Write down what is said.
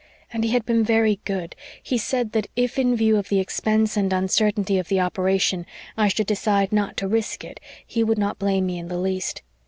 And he had been very good he said that if, in view of the expense and uncertainty of the operation, I should decide not to risk it, he would not blame me in the least.